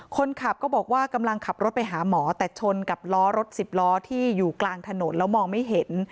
คนขับก็บอกว่ากำลังขับรถไปหาหมอแต่ชนกับล้อรถสิบล้อที่อยู่กลางถนนแล้วมองไม่เห็น